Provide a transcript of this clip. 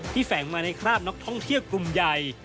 แฝงมาในคราบนักท่องเที่ยวกลุ่มใหญ่